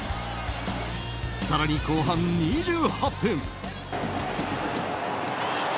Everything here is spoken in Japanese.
更に後半２８分。